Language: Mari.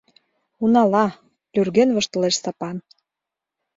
Унала! — люрген воштылеш Стапан.